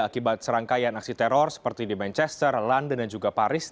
akibat serangkaian aksi teror seperti di manchester london dan juga paris